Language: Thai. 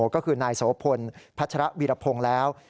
ก็คือนายโสพลพัชระวีรพงศ์แล้ว